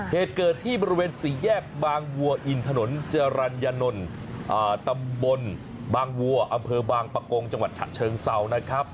เหตุเกิดที่บริเวณสี่แยกบางวัวอินถนนจรรยนนท์ตำบลบางวัวอำเภอบางปะโกงจังหวัดฉะเชิงเซานะครับ